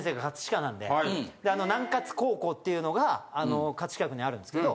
あの南高校っていうのがあの飾区にあるんですけど。